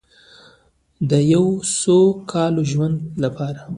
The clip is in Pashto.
د یو سوکاله ژوند لپاره.